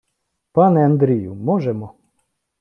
Пане Андрію, можемо.